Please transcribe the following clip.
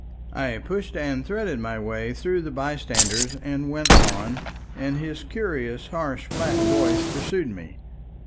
I pushed and threaded my way through the bystanders and went on, and his curious harsh flat voice pursued me.